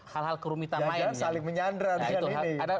hal hal kerumitan lain jangan saling menyandar